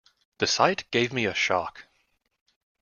The sight gave me a shock.